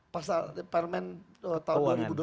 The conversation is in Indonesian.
pasal permen tahun dua ribu dua puluh